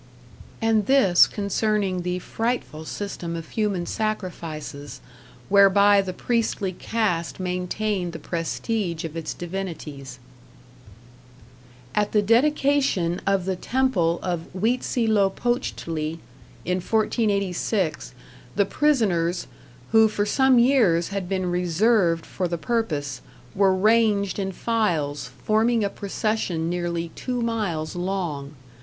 And this concerning the frightful system of human sacrifices, whereby the priestly caste maintained the prestige of its divinities: At the dedication of the temple of Huitzilopochtli, in 1486, the prisoners, who for some years had been reserved for the purpose, were ranged in files, forming a procession nearly two miles long.